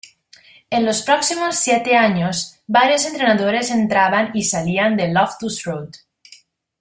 En los próximos siete años, varios entrenadores entraban y salían de Loftus Road.